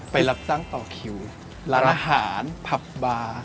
รับจ้างต่อคิวร้านอาหารผับบาร์